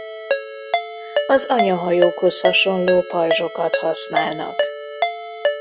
Az anyahajókhoz hasonló pajzsokat használnak.